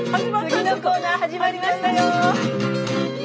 次のコーナー始まりましたよ。